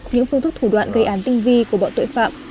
những phương thức thủ đoạn gây án tinh vi của bọn tội phạm